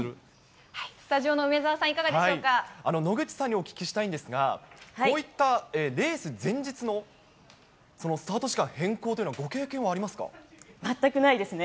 スタジオの梅澤さん、いかが野口さんにお聞きしたいんですが、こういったレース前日の、そのスタート時間変更というのは、全くないですね。